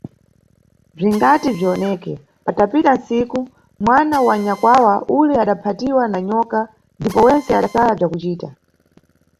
Bzingati bziwoneke, patapita ntsiku, mwana wa nyakwawa ule adaphatidwa na nyoka, ndipo wentse adasaya bzakucita.